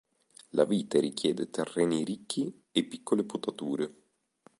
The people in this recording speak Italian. La vite richiede terreni ricchi e piccole potature.